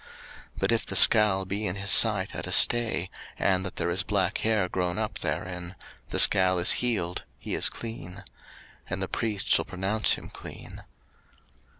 03:013:037 But if the scall be in his sight at a stay, and that there is black hair grown up therein; the scall is healed, he is clean: and the priest shall pronounce him clean.